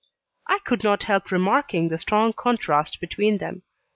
I could not help remarking the strong contrast between them.